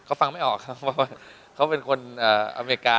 เขาฟังไม่ออกครับเขาเป็นคนอเมริกา